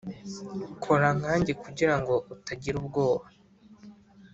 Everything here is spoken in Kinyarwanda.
kora nkanjye kugirango utagira ubwoba"